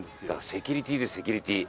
セキュリティーですセキュリティー。